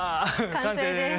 完成です！